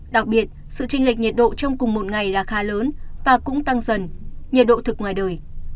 đặc biệt sự tranh lệch nhiệt độ trong cùng một ngày là khá lớn và cũng tăng dần nhiệt độ thực ngoài đời